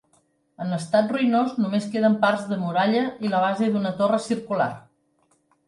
En estat ruïnós, només queden parts de muralla i la base d'una torre circular.